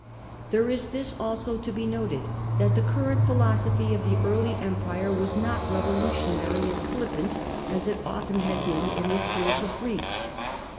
There is this also to be noted, that the current philosophy of the early Empire was not revolutionary and flippant, as it often had been in the ^ schools of Greece.